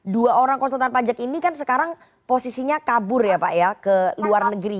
dua orang konsultan pajak ini kan sekarang posisinya kabur ya pak ya ke luar negeri